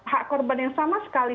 hak korban yang sama sekali